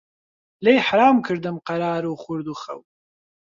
لێی حەرام کردم قەرار و خورد و خەو